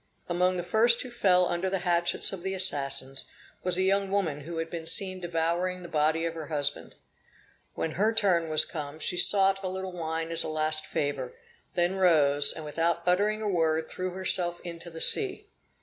Among the first who fell under the hatchets of the assassins, was a young woman who had been seen devouring the body of her husband. When her turn was come, she sought a little wine as a last favor, then rose, and without uttering a word threw herself into the sea.